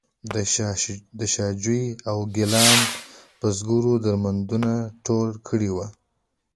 د شاه جوی او ګیلان بزګرو درمندونه ټول کړي وو.